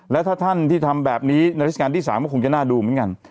แล้วถ้าท่านที่ทำแบบนี้ในราชการที่๓ก็คงจะน่าดูเหมือนกัน